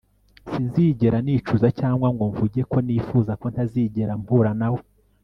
sinzigera nicuza cyangwa ngo mvuge ko nifuza ko ntazigera mpura nawe